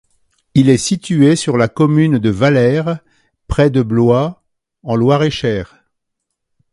Il est situé sur la commune de Valaire, près de Blois en Loir-et-Cher.